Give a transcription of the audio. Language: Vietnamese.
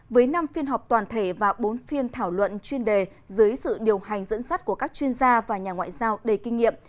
với năm phiên họp toàn thể và bốn phiên thảo luận chuyên đề dưới sự điều hành dẫn dắt của các chuyên gia và nhà ngoại giao đầy kinh nghiệm